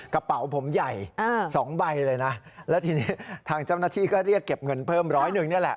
กระเป๋าผมใหญ่๒ใบเลยนะแล้วทีนี้ทางเจ้าหน้าที่ก็เรียกเก็บเงินเพิ่มร้อยหนึ่งนี่แหละ